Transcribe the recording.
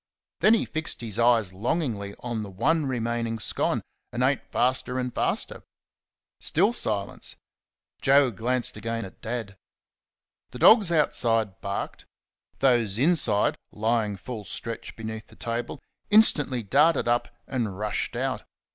Then he fixed his eyes longingly on the one remaining scone, and ate faster and faster....Still silence. Joe glanced again at Dad. The dogs outside barked. Those inside, lying full stretch beneath the table, instantly darted up and rushed out.